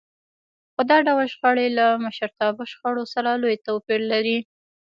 خو دا ډول شخړې له مشرتابه شخړو سره لوی توپير لري.